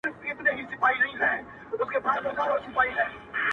انګلیسی ژبی نقاد ټي، ایس، ایلیټ